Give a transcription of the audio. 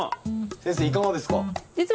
先生いかがですか？